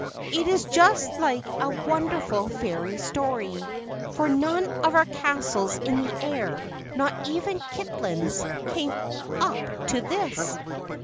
It is just like a wonderful fairy story; for none of our castles in the air not even Kitlands came up to this."